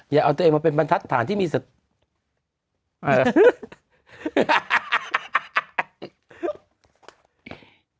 อย่าเอาตัวเองมาเป็นบรรทัศน์ที่มีสัตว์